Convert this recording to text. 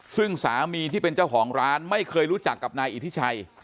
ซึ่งสามีที่เป็นเจ้าของร้านไม่เคยรู้จักกับนายอิทธิชัย